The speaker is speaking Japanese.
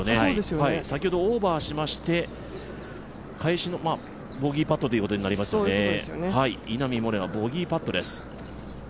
先ほどオーバーしまして返しのボギーパットということになりまして、稲見萌寧はボギーパットです。